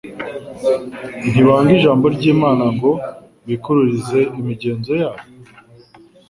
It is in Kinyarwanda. Ntibanga Ijambo ry'Imana ngo bikurikirize imigenzo yabo?